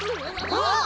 あっ！